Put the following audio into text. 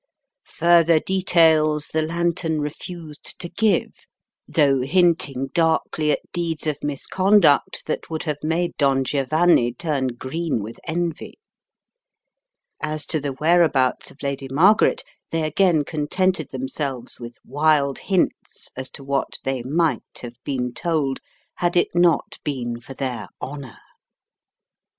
Further details the Lantern refused to give, though hinting darkly at deeds of misconduct that would have made Don Giovanni turn green 144 The Riddle of the Purple Emperor with envy. As to the whereabouts of Lady Mar garet, they again contented themselves with wild hints as to what they might have told, had it not been for their "honour."